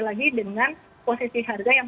lagi dengan posisi harga yang